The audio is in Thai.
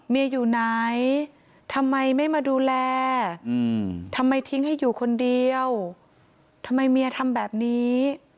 อยู่ไหนทำไมไม่มาดูแลทำไมทิ้งให้อยู่คนเดียวทำไมเมียทำแบบนี้